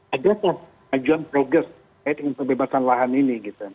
ada permajuan progres kaitan pembebasan lahan ini gitu